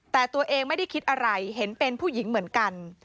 แต่ตัวเองไม่ได้คิดอะไรเห็นเป็นผู้หญิงเหมือนกัน